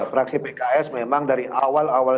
fraksi pks memang dari awal awal